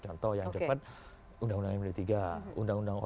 contoh yang cepat ru yang milih tiga